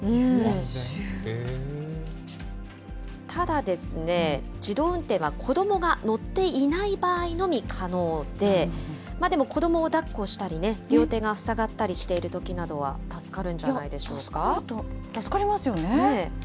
ただですね、自動運転は子どもが乗っていない場合のみ可能で、でも子どもをだっこしたり、両手が塞がったりしているときなどは助かりますよね。